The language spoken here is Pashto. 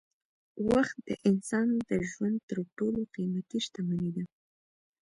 وخت د انسان د ژوند تر ټولو قېمتي شتمني ده.